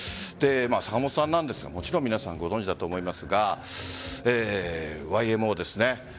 坂本さんなんですが皆さん、ご存じとは思いますがＹＭＯですね。